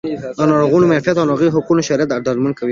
د ناروغانو د معافیت او روغتیایي حقونو د شرایطو ډاډمن کول